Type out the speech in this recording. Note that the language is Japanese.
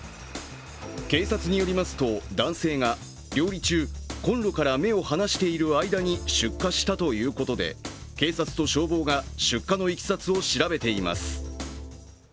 警察によりますと、男性が料理中こんろから目を離している間に出火したということで、警察と消防が出火のいきさつを調べています。